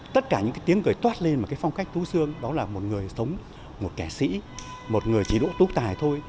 tất cả những cái tiếng cười toát lên mà cái phong cách tú xương đó là một người sống một kẻ sĩ một người chỉ đỗ túc tài thôi